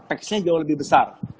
peksnya jauh lebih besar